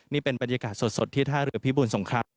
นี่เป็นบรรยากาศสดที่ท่าเรือพิบูรสงคราม